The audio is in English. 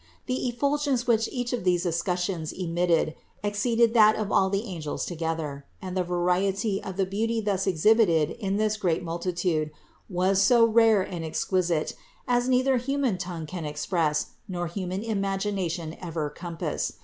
The effulgence which each of these es cutcheons emitted exceeded that of all the angels together, and the variety of the beauty thus exhibited in this great multitude was so rare and exquisite as neither human tongue can express nor human imagination ever compass.